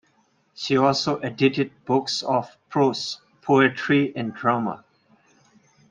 She also edited books of prose, poetry and drama.